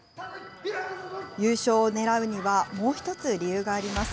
優勝を狙うには、もう一つ理由があります。